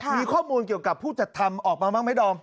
มีข้อมูลเกี่ยวกับผู้จัดทำออกมาบ้างไหมดอม